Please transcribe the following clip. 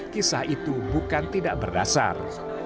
kisah itu bukan tidak berdasar